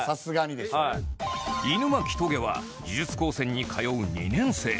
狗巻棘は呪術高専に通う２年生